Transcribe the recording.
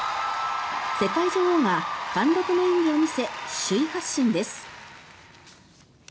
世界女王が貫禄の演技を見せ首位発進です。